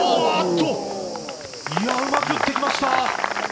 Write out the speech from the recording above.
うまく打ってきました。